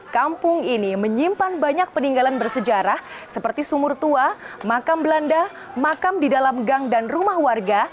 kampung ini menyimpan banyak peninggalan bersejarah seperti sumur tua makam belanda makam di dalam gang dan rumah warga